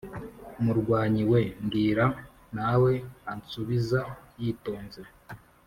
murwanyi we! mbwira nawe!ansubiza yitonze